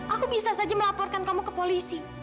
aku bisa saja melaporkan kamu ke polisi